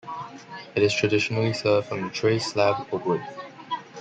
It is traditionally served on a tray slab or wood.